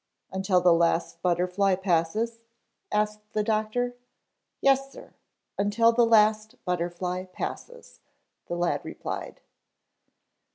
"Until the last butterfly passes?" asked the doctor. "Yes sir, until the last butterfly passes," the lad replied.